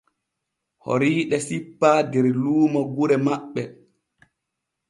Horiiɗe sippaa der luumo gure maɓɓe.